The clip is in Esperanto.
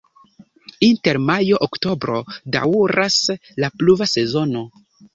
Inter majo-oktobro daŭras la pluva sezono.